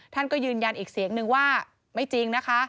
ท่านก็ยืนยันอีกเสียงนึงว่าไม่จริงนะคะ